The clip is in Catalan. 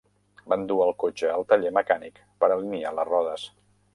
Van dur el cotxe al taller mecànic per alinear les rodes.